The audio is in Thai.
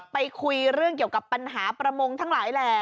คุยเรื่องเกี่ยวกับปัญหาประมงทั้งหลายแหล่